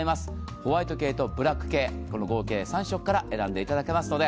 ホワイト系とブラック系、この合計３色から選んでいただけますので、